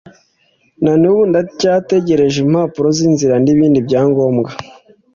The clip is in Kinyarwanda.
na n’ubu ndacyategereje impapuro z’inzira n’ibindi byangombwa